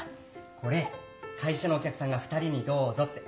これ会社のおきゃくさんが２人にどうぞって。